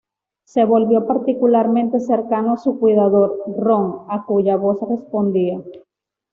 Se volvió particularmente cercano a su cuidador, Ron, a cuya voz respondía.